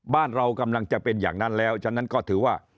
บ้านเรากำลังจะเป็นอย่างนั้นแล้วฉะนั้นก็ถือว่า